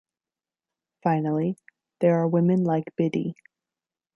Finally, there are women like Biddy.